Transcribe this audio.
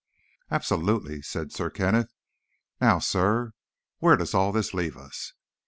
"Absolutely," said Sir Kenneth. "Now, Sirrah, where does all this leave us?